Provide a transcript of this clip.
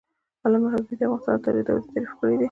علامه حبيبي د افغانستان د تاریخ دورې تعریف کړې دي.